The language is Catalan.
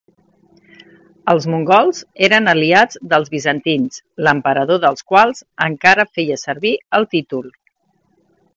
Els mongols eren aliats dels bizantins, l'emperador dels quals encara feia servir el títol.